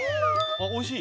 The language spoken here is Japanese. あおいしい？